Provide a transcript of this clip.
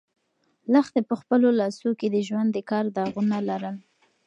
لښتې په خپلو لاسو کې د ژوند د کار داغونه لرل.